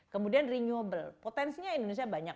kemudian renewable potensinya indonesia banyak